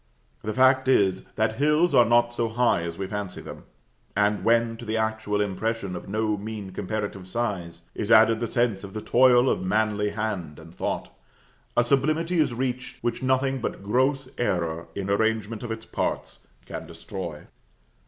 The fact is, that hills are not so high as we fancy them, and, when to the actual impression of no mean comparative size, is added the sense of the toil of manly hand and thought, a sublimity is reached, which nothing but gross error in arrangement of its parts can destroy.